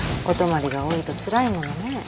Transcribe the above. お泊まりが多いとつらいものね